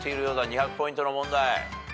２００ポイントの問題。